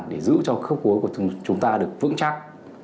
để giữ cho khớp cuối của chúng ta được vững chắc